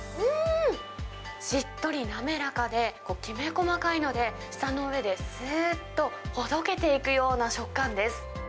しっとり滑らかで、きめ細かいので、舌の上ですーっとほどけていくような食感です。